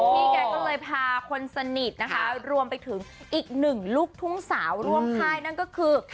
พี่แกก็เลยพาคนสนิทนะคะรวมไปถึงอีกหนึ่งลูกทุ่งสาวร่วมค่ายนั่นก็คือ